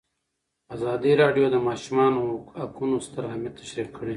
ازادي راډیو د د ماشومانو حقونه ستر اهميت تشریح کړی.